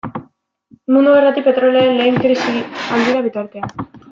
Mundu Gerratik petrolioaren lehen krisi handira bitartean.